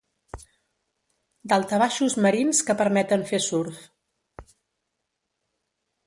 Daltabaixos marins que permeten fer surf.